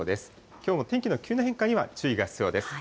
きょうも天気の急な変化には注意が必要です。